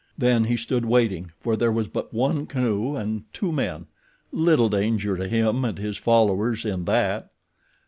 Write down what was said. Then he stood waiting, for there was but one canoe and two men—little danger to him and his followers in that.